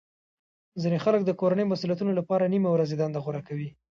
ځینې خلک د کورنۍ مسولیتونو لپاره نیمه ورځې دنده غوره کوي